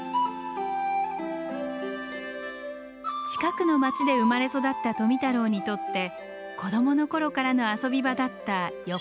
近くの町で生まれ育った富太郎にとって子どもの頃からの遊び場だった横倉山。